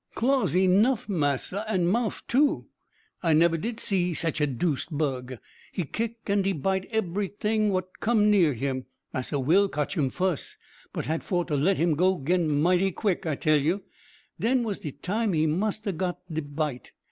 "Claws enuff, massa, and mouff, too. I nebber did see sich a deuced bug he kick and he bite ebery ting what cum near him. Massa Will cotch him fuss, but had for to let him go 'gin mighty quick, I tell you den was de time he must ha' got de bite.